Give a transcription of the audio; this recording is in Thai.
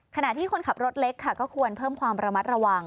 ขณะที่คนขับรถเล็กค่ะก็ควรเพิ่มความระมัดระวัง